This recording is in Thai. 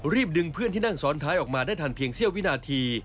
ดึงเพื่อนที่นั่งซ้อนท้ายออกมาได้ทันเพียงเสี้ยวินาที